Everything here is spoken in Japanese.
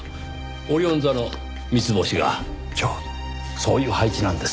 オリオン座の３つ星がちょうどそういう配置なんですよ。